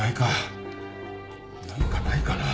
何かないかな。